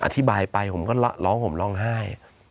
อธิบายไปผมก็ร้องผมร้องไห้